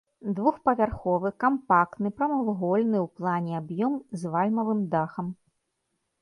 Двухпавярховы кампактны прамавугольны ў плане аб'ём з вальмавым дахам.